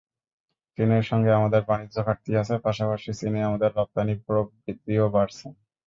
চীনের সঙ্গে আমাদের বাণিজ্য ঘাটতি আছে, পাশাপাশি চীনে আমাদের রপ্তানি প্রবৃদ্ধিও বাড়ছে।